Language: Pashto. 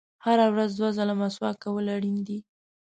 • هره ورځ دوه ځله مسواک کول اړین دي.